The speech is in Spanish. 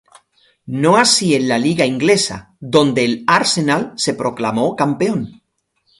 No así en la liga inglesa, donde el Arsenal se proclamó campeón.